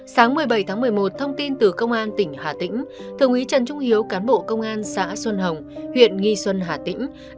sáng một mươi bảy tháng một mươi một thông tin từ công an tỉnh hà tĩnh thượng úy trần trung hiếu cán bộ công an xã xuân hồng huyện nghi xuân hà tĩnh